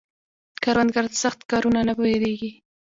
کروندګر د سخت کارونو نه نه وېرېږي